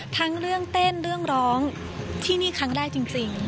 ทั้งเรื่องเต้นเรื่องร้องที่นี่ครั้งแรกจริง